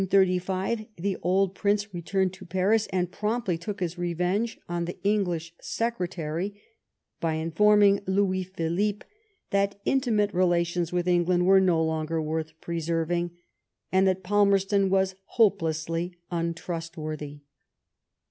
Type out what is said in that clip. In 1835 the old Prince returned to Paris, and promptly took his revenge on the English secretary by informing Louis Philippe that intimate relations with England were no longer worth preserving, and that Palmerston was hopelessly untrustworthy.